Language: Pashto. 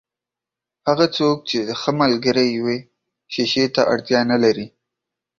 هغه څوک چې ښه ملګری يې وي، شیشې ته اړتیا نلري.